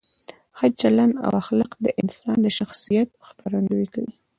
ښه چلند او اخلاق د انسان د شخصیت ښکارندویي کوي.